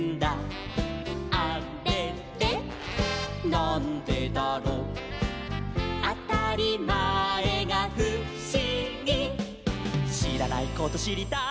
なんでだろう」「あたりまえがふしぎ」「しらないことしりたい」